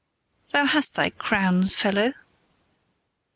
Thou hast thy crowns, fellow.